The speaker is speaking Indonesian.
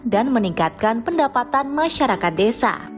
dan meningkatkan pendapatan masyarakat desa